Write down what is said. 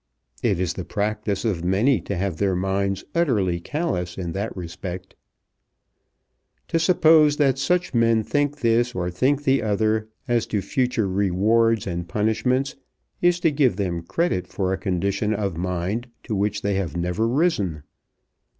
It is the practice of many to have their minds utterly callous in that respect. To suppose that such men think this or think the other as to future rewards and punishments is to give them credit for a condition of mind to which they have never risen.